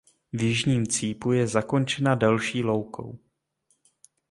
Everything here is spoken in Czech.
V jižním cípu je zakončena další loukou.